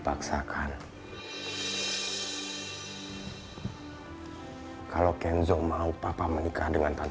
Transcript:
tante bella untuk menikah dengan papa